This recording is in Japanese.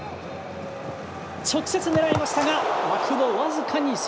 直接狙いましたが枠の僅かに外。